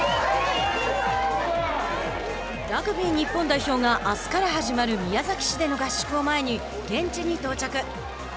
ラグビー日本代表があすから始まる宮崎市での合宿を前に現地に到着。